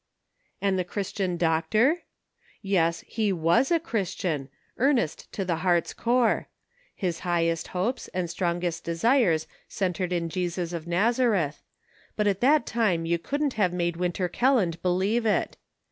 And the Christian doctor .•• Yes, he was a Christian, earnest to the heart's core. His high est hopes and strongest desires centered in Jesus of Nazareth, but at that time you couldn't have made Winter Kelland believe it